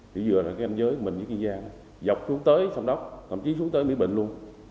rồi là cái anh giới mình với ngư dân dọc xuống tới xong đóc thậm chí xuống tới bị bệnh luôn